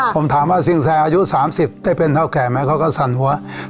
ผมถามว่าสินแซอายุ๓๐ได้เป็นเท่าแก่ไหมเขาก็สั่นหัว